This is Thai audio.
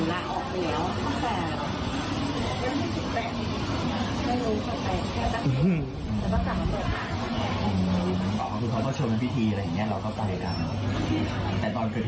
อันนี้ก็คือสำหรับพ่อนี่คือเขาให้เป็นภาพงานไปแล้ว